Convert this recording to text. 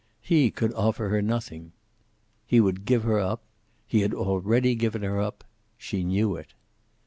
He could offer her nothing. He would give her up. He had already given her up. She knew it.